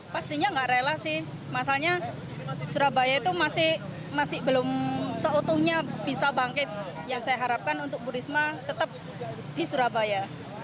pastinya nggak rela sih masalahnya surabaya itu masih belum seutuhnya bisa bangkit yang saya harapkan untuk bu risma tetap di surabaya